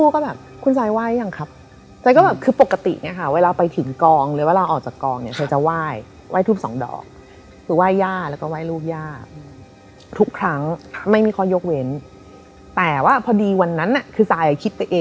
ก่อนนั้นอะเขาหามาแล้ว๖๗เดือนพี่บอกอะค่ะ